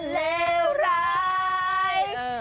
เลวร้าย